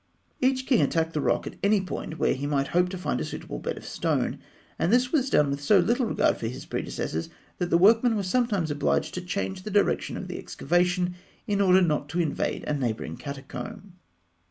] Each king attacked the rock at any point where he might hope to find a suitable bed of stone; and this was done with so little regard for his predecessors, that the workmen were sometimes obliged to change the direction of the excavation in order not to invade a neighbouring catacomb.